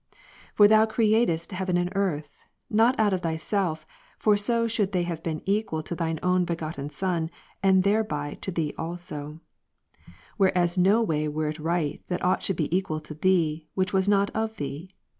For Thou createdst heaven and earth ; not out of Thyself" ; for so should they have been equal to Thine Only Begotten Son, and thereby to Thee also ; whereas no way were it right that aught should be equal to Thee, which was not of Thee.